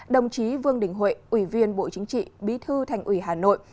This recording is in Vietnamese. đồng chí vương đình huệ ủy viên bộ chính trị bí thư thành ủy hà nội